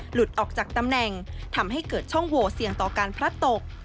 หลุดออกจากตำแหน่งทำให้เกิดช่องโหวเสี่ยงต่อการพลัดตก